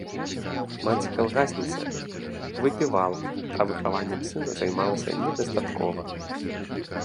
Маці-калгасніца выпівала, а выхаваннем сына займалася недастаткова.